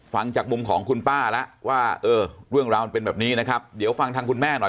ฟังจากมุมของคุณป้าแล้วว่าเออเรื่องราวมันเป็นแบบนี้นะครับเดี๋ยวฟังทางคุณแม่หน่อย